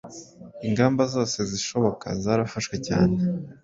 Ingamba zose zishoboka zarafashwe cyane